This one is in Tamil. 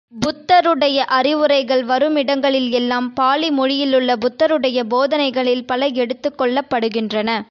புத்தருடைய அறிவுரைகள் வருமிடங்களில் எல்லாம் பாலிமொழியிலுள்ள புத்தருடைய போதனைகளில் பல எடுத்துக் கொள்ளப்படுகின்றன.